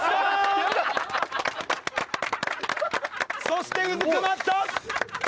そしてうずくまった！